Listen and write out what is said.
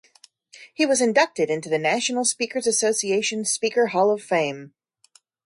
He was inducted into the National Speakers Association Speaker Hall of Fame.